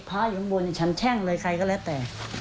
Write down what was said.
พระอยู่ข้างบนชั้นแช่งเลยใครก็แล้วแต่